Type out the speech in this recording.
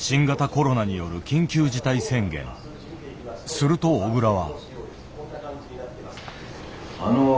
すると小倉は。